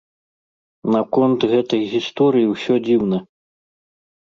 Наконт гэтай гісторыі ўсё дзіўна.